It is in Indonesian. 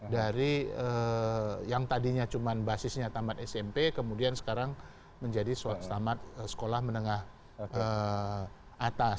dari yang tadinya cuma basisnya tamat smp kemudian sekarang menjadi tamat sekolah menengah atas